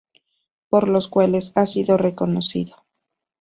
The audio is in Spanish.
Por los cuales ha sido reconocido.